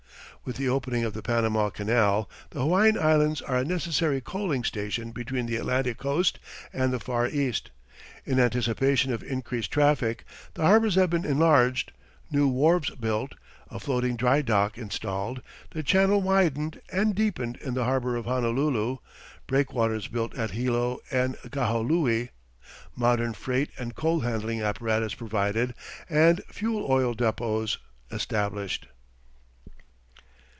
With the opening of the Panama Canal, the Hawaiian Islands are a necessary coaling station between the Atlantic Coast and the Far East. In anticipation of increased traffic, the harbours have been enlarged, new wharves built, a floating drydock installed, the channel widened and deepened in the harbour of Honolulu, breakwaters built at Hilo and Kahului, modern freight and coal handling apparatus provided, and fuel oil depots established.